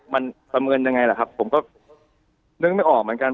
มันประเมินยังไงล่ะครับผมก็นึกไม่ออกเหมือนกัน